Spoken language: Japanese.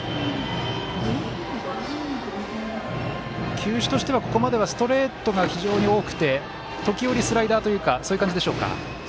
球種としてはここまではストレートが非常に多くて時折スライダーというそういう感じでしょうか。